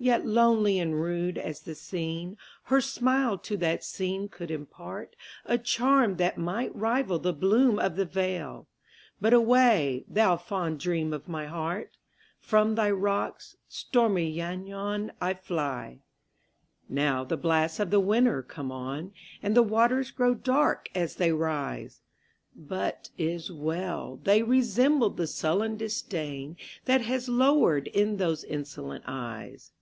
Yet lonely and rude as the scene, Her smile to that scene could impartA charm that might rival the bloom of the vale,—But away, thou fond dream of my heart! From thy rocks, stormy Llannon, I fly. Now the blasts of the winter come on, And the waters grow dark as they rise! But 't is well!—they resemble the sullen disdainThat has lowered in those insolent eyes.